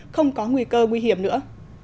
không có nguy cơ nguy hiểm nữa